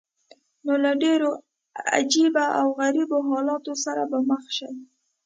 نو له ډېرو عجیبه او غریبو حالاتو سره به مخ شې.